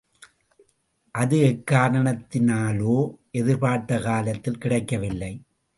அது எக்காரணத்தினாலோ எதிர்பார்த்த காலத்தில் கிடைக்கவில்லை.